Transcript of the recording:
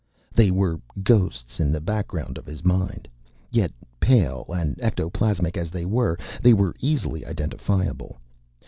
They were ghosts in the background of his mind. Yet, pale and ectoplasmic as they were, they were easily identifiable.